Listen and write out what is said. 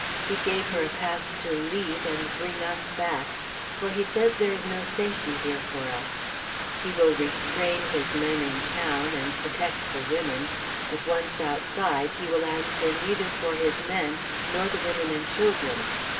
He gave her a pass to leave, and bring us back, for he says there is no safety here for us; he will restrain his men in town, and protect the women, but once outside, he will answer neither for his men, nor the women and children.